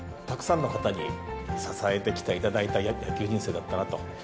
たくさんの方に支えてきていただいた野球人生だったなと。